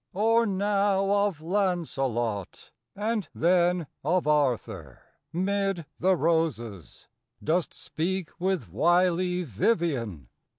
Or now of Launcelot, and then Of Arthur, 'mid the roses, Dost speak with wily Vivien?